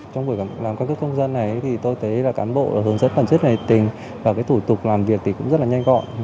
trong buổi làm căn cước công dân này thì tôi thấy là cán bộ hướng dẫn bản chất hài tình và cái thủ tục làm việc thì cũng rất là nhanh gọn